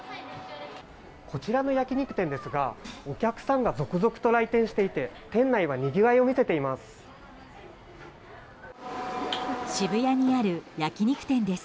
こちらの焼き肉店ですがお客さんが続々と来店していて店内はにぎわいを見せています。